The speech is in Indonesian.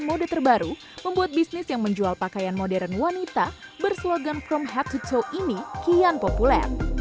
mode terbaru membuat bisnis yang menjual pakaian modern wanita berslogan from head to show ini kian populer